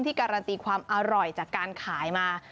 การันตีความอร่อยจากการขายมา